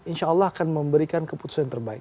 insya allah akan memberikan keputusan terbaik